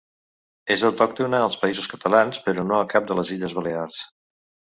És autòctona als Països Catalans però no a cap de les Illes Balears.